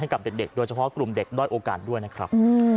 กับเด็กโดยเฉพาะกลุ่มเด็กด้อยโอกาสด้วยนะครับ